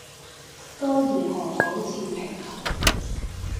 該如何保持平衡